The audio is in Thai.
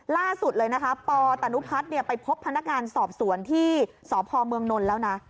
ล่าสุดเลยนะคะปตนุพัฒน์ไปพบพนักงานสอบสวนที่สพเมืองนนท์แล้วนะ